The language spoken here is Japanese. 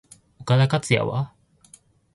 岡田克也は？